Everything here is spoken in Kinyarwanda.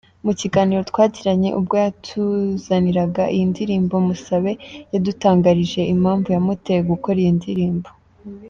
Mu kiganiro twagiranye , ubwo yatuzaniraga iyi ndirimbo , Musabe yadutangarije impamvu yamuteye gukora iyi ndirimbo.